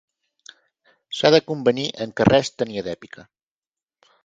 S'ha de convenir en què res tenia d'èpica.